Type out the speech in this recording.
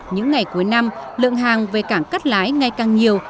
những ngày cuối năm lượng hàng về cảng cắt lái ngay càng nhiều